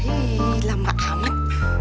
ih lama amat